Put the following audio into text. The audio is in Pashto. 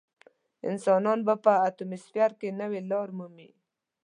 انسان به په اتموسفیر کې نوې لارې مومي.